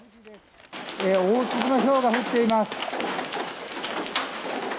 大粒のひょうが降っています。